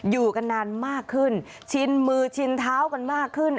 อยู่กันนานมากขึ้นชินมือชินเท้ากันมากขึ้น